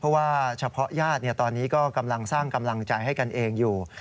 เพราะว่าเฉพาะญาติตอนนี้ก็กำลังสร้างกำลังใจให้กันเองอยู่